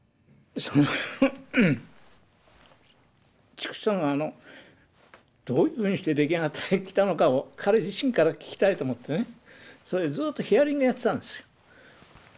筑紫さんがどういうふうにして出来上がってきたのかを彼自身から聞きたいと思ってねずっとヒアリングやってたんですよ。